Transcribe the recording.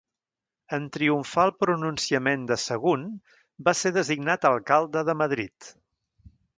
En triomfar el pronunciament de Sagunt va ser designat alcalde de Madrid.